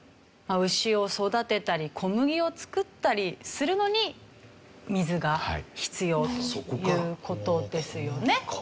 牛を育てたり小麦を作ったりするのに水が必要という事ですよね。